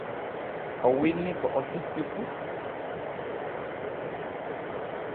O winna ko o sippi fu.